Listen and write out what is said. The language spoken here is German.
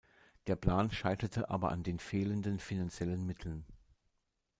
Der Plan scheiterte aber an den fehlenden finanziellen Mitteln.